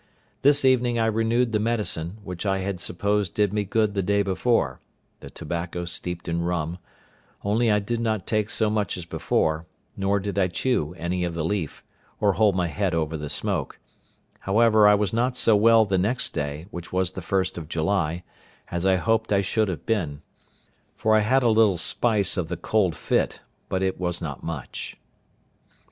This evening I renewed the medicine, which I had supposed did me good the day before—the tobacco steeped in rum; only I did not take so much as before, nor did I chew any of the leaf, or hold my head over the smoke; however, I was not so well the next day, which was the first of July, as I hoped I should have been; for I had a little spice of the cold fit, but it was not much.